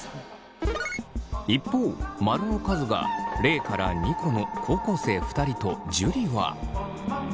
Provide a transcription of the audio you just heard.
一方マルの数が０２個の高校生２人と樹は。